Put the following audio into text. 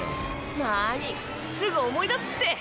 なにすぐ思い出すって。